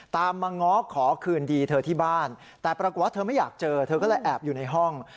ตามมาง้อขอคืนดีเธอที่บ้านแต่ปรากฏว่าเธอไม่อยากเจอเธอก็เลยแอบอยู่ในห้อง